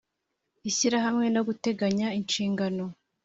Ishyirahamwe no guteganya inshingano